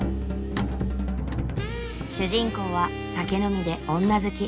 主人公は酒飲みで女好き。